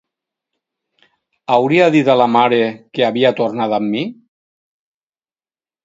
Hauria dit a la mare que havia tornat amb mi?